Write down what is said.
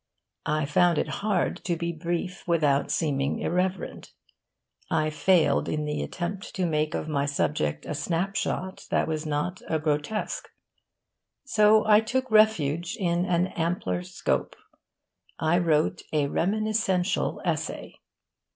I found it hard to be brief without seeming irreverent. I failed in the attempt to make of my subject a snapshot that was not a grotesque. So I took refuge in an ampler scope. I wrote a reminiscential essay.